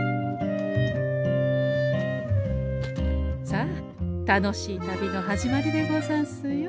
さあ楽しい旅の始まりでござんすよ。